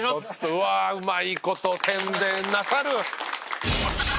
うわうまい事宣伝なさる。